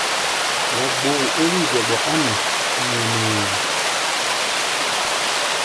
Wa gboo ó wí-zɔɓɔ á nu nyɛmɛɛ.